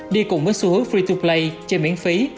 đi cùng với xu hướng free to play chơi miễn phí